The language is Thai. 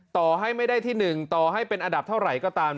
ต่อให้ไม่ได้ที่๑ต่อให้เป็นอันดับเท่าไหร่ก็ตาม